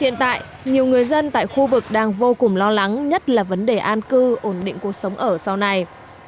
hiện tại nhiều người dân tại khu vực đang vô cùng lo lắng nhất là vấn đề an cư ổn định cuộc sống ở sau này